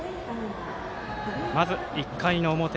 まず１回の表。